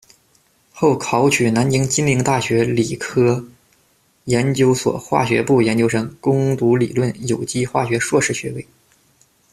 后考取南京金陵大学理科研究所化学部研究生，攻读理论有机化学硕士学位。